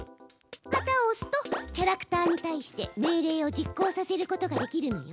旗をおすとキャラクターにたいして命令を実行させることができるのよ！